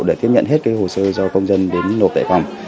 để tiếp nhận hết hồ sơ do công dân đến nộp tại phòng